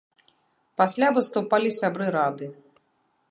Пасля выступалі сябры рады.